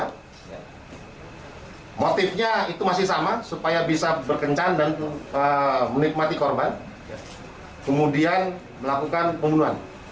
hai motifnya itu masih sama supaya bisa berkencan dan menikmati korban kemudian melakukan pembunuhan